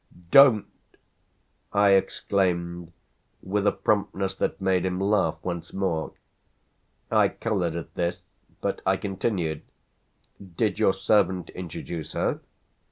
"Don't!" I exclaimed with a promptness that made him laugh once more. I coloured at this, but I continued: "Did your servant introduce her?"